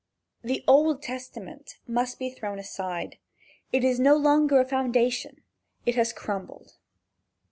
The Old Testament must be thrown aside. It is no longer a foundation. It has crumbled.